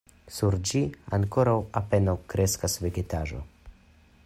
Sur ĝi ankoraŭ apenaŭ kreskas vegetaĵo.